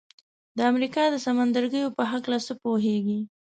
د امریکا د سمندرګیو په هکله څه پوهیږئ؟